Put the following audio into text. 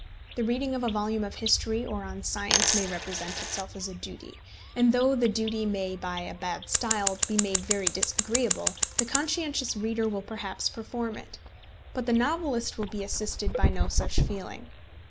The reading of a volume of history or on science may represent itself as a duty; and though the duty may by a bad style be made very disagreeable, the conscientious reader will perhaps perform it. But the novelist will be assisted by no such feeling.